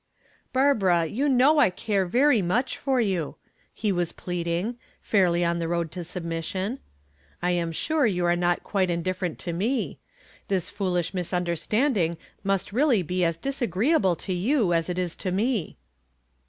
"Barbara, you know I care very much for you," he was pleading, fairly on the road to submission. "I am sure you are not quite indifferent to me. This foolish misunderstanding must really be as disagreeable to you as it is to me."